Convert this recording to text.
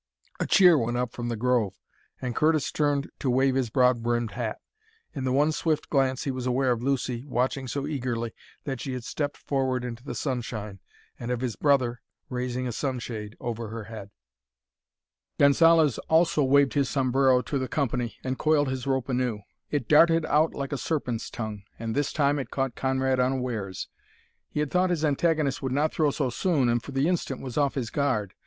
A cheer went up from the grove, and Curtis turned to wave his broad brimmed hat. In the one swift glance he was aware of Lucy, watching so eagerly that she had stepped forward into the sunshine, and of his brother, raising a sunshade over her head. Gonzalez also waved his sombrero to the company, and coiled his rope anew. It darted out like a serpent's tongue, and this time it caught Conrad unawares; he had thought his antagonist would not throw so soon and for the instant was off his guard.